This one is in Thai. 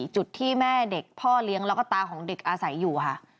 จุดที่แม่เด็กพ่อเลี้ยงแล้วก็ตาของเด็กอาศัยอยู่ค่ะ